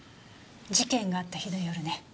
事件があった日の夜ね。